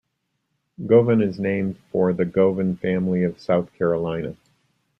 Govan is named for the Govan family of South Carolina.